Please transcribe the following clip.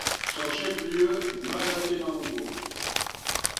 Son chef-lieu est Mazatenango.